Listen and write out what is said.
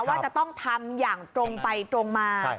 ว่าจะต้องทำอย่างตรงไปตรงมา